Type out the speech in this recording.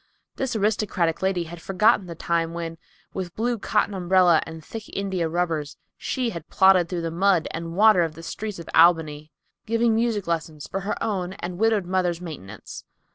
This aristocratic lady had forgotten the time when, with blue cotton umbrella and thick India rubbers, she had plodded through the mud and water of the streets in Albany, giving music lessons for her own and widowed mother's maintenance.